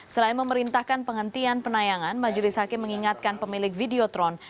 selain memerintahkan penghentian penayangan majelis hakim mengingatkan pemilik videotron